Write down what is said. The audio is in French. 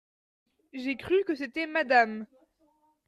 J’ai cru que c’était madame.